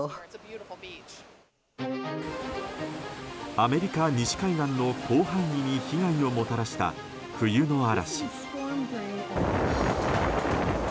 アメリカ西海岸の広範囲に被害をもたらした冬の嵐。